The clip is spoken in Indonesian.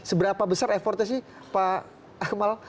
seberapa besar efortnya sih pak kemal